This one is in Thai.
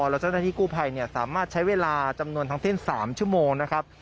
แล้วเจ้าหน้าที่กู้ภัยเนี่ยสามารถใช้เวลาจำนวนทางเส้นสามชั่วโมงนะครับ